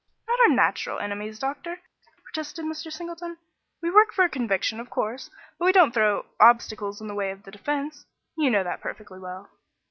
"Not our natural enemies, doctor," protested Mr. Singleton. "We work for a conviction, of course, but we don't throw obstacles in the way of the defence. You know that perfectly well."